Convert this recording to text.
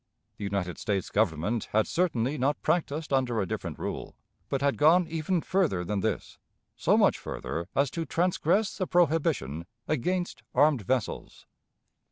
The United States Government had certainly not practiced under a different rule, but had gone even further than this so much further as to transgress the prohibition against armed vessels.